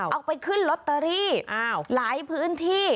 เอาไปขึ้นลอตเตอรี่หลายพื้นที่